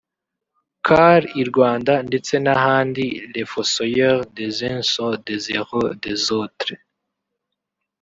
car i Rwanda ndetse n’ahandi les fossoyeurs des uns sont des heros des autres